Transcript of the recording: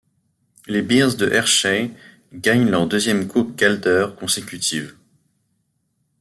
Les Bears de Hershey, gagnent leur deuxième coupe Calder consécutive.